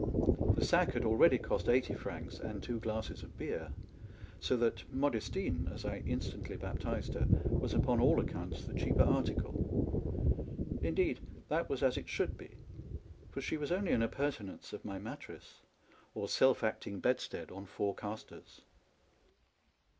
The sack had already cost eighty francs and two glasses of beer ; so that Modestine, as I instantly baptized her, was upon all accounts the cheaper article. Indeed, that was as it should be ; for she was only an appurtenance of my mattress, or self acting bedstead on four castors.